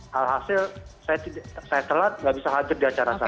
hal hasil saya telat gak bisa hadir di acara saya